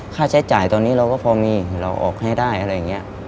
ค่าใช้จ่ายตอนนี้เราก็พอมีเราออกให้ได้อะไรอย่างนี้